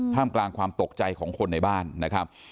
มกลางความตกใจของคนในบ้านนะครับ